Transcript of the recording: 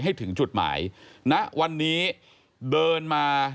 ให้ถึงจุดหมายณวันนี้เดินมา